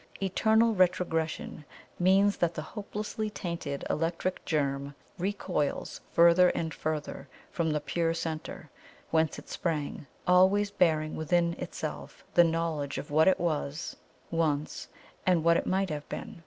Eternal Retrogression means that the hopelessly tainted electric germ recoils further and further from the Pure Centre whence it sprang, ALWAYS BEARING WITHIN ITSELF the knowledge of WHAT IT WAS ONCE and WHAT IT MIGHT HAVE BEEN.